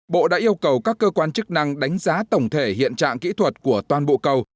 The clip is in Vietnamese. bộ đã yêu cầu các cơ quan chức năng đánh giá tổng thể hiện trạng kỹ thuật của toàn bộ cầu